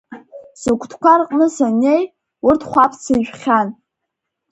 Сыкәтқәа рҟны саннеи, урҭ хәаԥӡа ижәхьан.